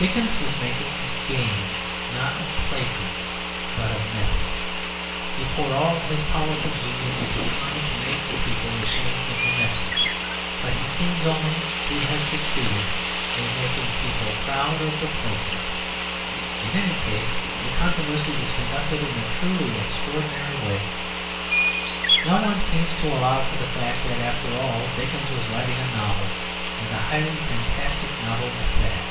Dickens was making game, not of places, but of methods. He poured all his powerful genius into trying to make the people ashamed of the methods. But he seems only to have succeeded in making people proud of the places. In any case, the controversy is conducted in a truly extraordinary way. No one seems to allow for the fact that, after all, Dickens was writing a novel, and a highly fantastic novel at that.